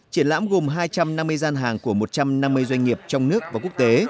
triển lãm gồm hai trăm năm mươi gian hàng của một trăm năm mươi doanh nghiệp trong nước và quốc tế